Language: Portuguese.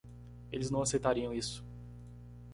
Eles não aceitariam isso.